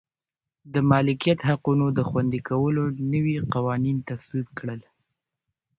د مالکیت حقونو د خوندي کولو نوي قوانین تصویب کړل.